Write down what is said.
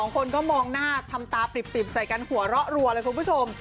คนก็มองหน้าทำตาปริบใส่กันหัวเราะรัวเลยคุณผู้ชม